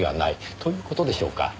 という事でしょうか。